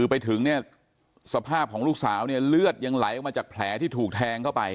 เป็นสภาพของลูกสาวเลือดยังไหลออกมาจากแผลที่ถูกแทงเข้าไป